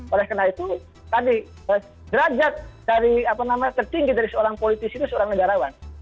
oleh karena itu tadi derajat tertinggi dari seorang politisi itu seorang negarawan